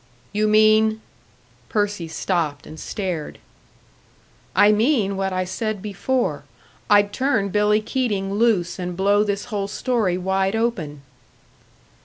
"You mean " Percy stopped, and stared. "I mean what I said before I'd turn Billy Keating loose and blow this whole story wide open."